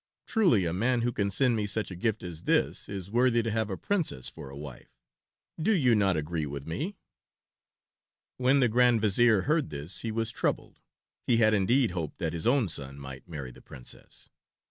Truly a man who can send me such a gift as this is worthy to have a princess for a wife. Do you not agree with me?" When the Grand Vizier heard this he was troubled. He had indeed hoped that his own son might marry the Princess.